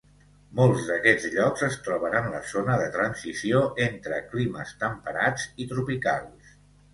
Molts d'aquests llocs es troben en la zona de transició entre climes temperats i tropicals.